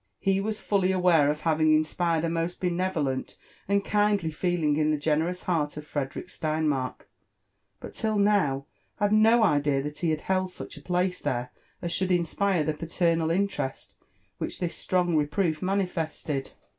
He was fully aware of having inspired a most benevolent and kindly feeling in the generous heart of Frederick Steinmark, but till now had no idea that he held such a place there as should in^ire the paternal interest which this strong reproof manifested.